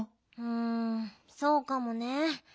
うんそうかもね。